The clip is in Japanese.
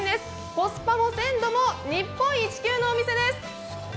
コスパも鮮度も日本一級のお店です。